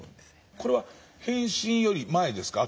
これは「変身」より前ですか？